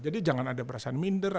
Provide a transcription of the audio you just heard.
jadi jangan ada perasaan minder